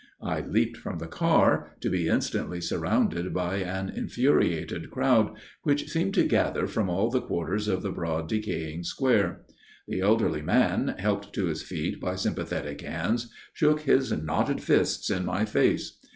I leaped from the car, to be instantly surrounded by an infuriated crowd, which seemed to gather from all the quarters of the broad, decaying square. The elderly man, helped to his feet by sympathetic hands, shook his knotted fists in my face.